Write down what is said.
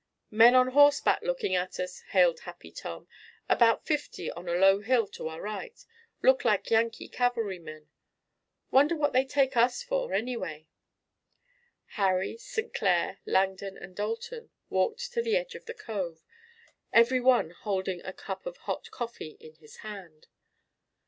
"Men on horseback looking at us!" hailed Happy Tom. "About fifty on a low hill on our right. Look like Yankee cavalrymen. Wonder what they take us for anyway!" Harry, St. Clair, Langdon and Dalton walked to the edge of the cove, every one holding a cup of hot coffee in his hand.